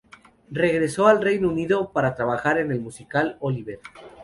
Regresó al Reino Unido para trabajar en el musical "Oliver!